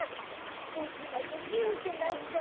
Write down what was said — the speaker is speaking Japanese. ぼくだけビュンってなっちゃうんだ。